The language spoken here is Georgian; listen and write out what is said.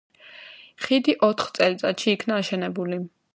ხიდი ოთხ წელიწადში იქნა აშენებული.